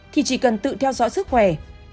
thì chỉ cần tự theo dõi sức khỏe